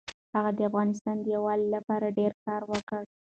هغه د افغانستان د یووالي لپاره ډېر کار وکړ.